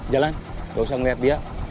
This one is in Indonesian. jalan gak usah ngelihat dia